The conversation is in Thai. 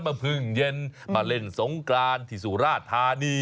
มาพึ่งเย็นมาเล่นสงกรานที่สุราธานี